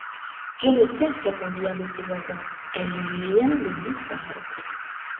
Je ne sais, répondit un de ses voisins, elle vient de disparaître.